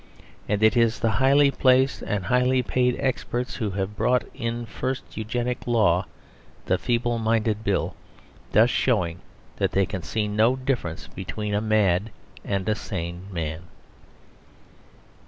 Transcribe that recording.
And it is the highly placed and highly paid experts who have brought in the first Eugenic Law, the Feeble Minded Bill thus showing that they can see no difference between a mad and a sane man.